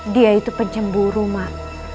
dia itu pencemburu emak